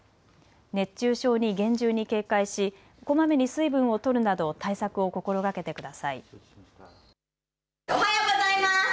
熱中症に厳重に警戒しこまめに水分をとるなど対策を心がけてください。